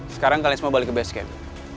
sekarang kalian semua balik ke basket